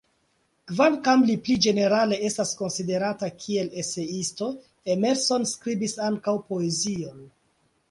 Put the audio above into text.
Kvankam li pli ĝenerale estas konsiderata kiel eseisto, Emerson skribis ankaŭ poezion.